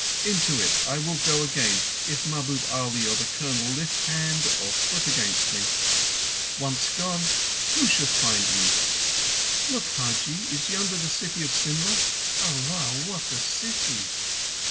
"Into it I will go again if Mahbub Ali or the Colonel lift hand or foot against me. Once gone, who shall find me? Look, Hajji, is yonder the city of Simla? Allah, what a city!"